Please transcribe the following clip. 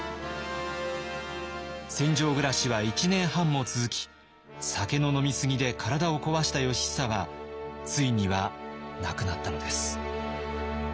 戦場暮らしは１年半も続き酒の飲み過ぎで体を壊した義尚はついには亡くなったのです。